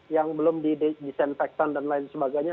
yang belum didesinfektan dan lain sebagainya